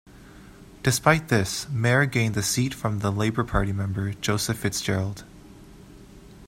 Despite this, Mair gained the seat from the Labor party member, Joseph Fitzgerald.